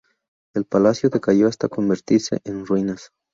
El palacio decayó hasta convertirse en ruinas.